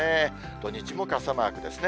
土日も傘マークですね。